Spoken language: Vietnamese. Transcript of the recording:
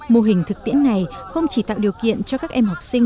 mô hình thực tiễn này không chỉ tạo điều kiện cho các em học sinh